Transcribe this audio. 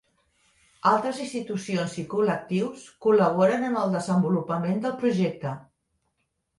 Altres institucions i col·lectius col·laboren en el desenvolupament del projecte.